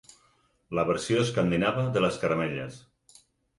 La versió escandinava de les caramelles.